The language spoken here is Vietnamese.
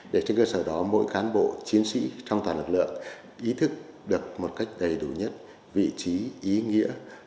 để trên cơ sở đó mỗi cán bộ chiến sĩ trong toàn lực lượng ý thức được một cách đầy đủ nhất vị trí ý nghĩa